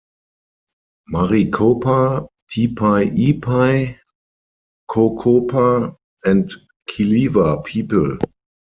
Maricopa, Tipai-Ipai, Cocopa, and Kiliwa people.